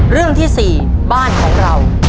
เรื่องที่๔บ้านของเรา